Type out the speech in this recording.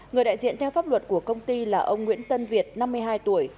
người đại diện theo pháp luật của công ty là ông nguyễn tân việt năm mươi hai tuổi